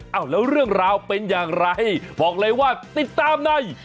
แล้วเรื่องราวเป็นอย่างไรบอกเลยว่าติดตามใน